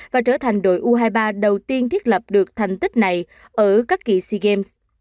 và trở thành đội u hai mươi ba đầu tiên thiết lập được thành tích này ở các kỳ sea games